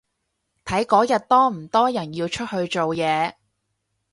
睇嗰日多唔多人要出去做嘢